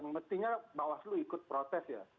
mestinya bawaslu ikut protes ya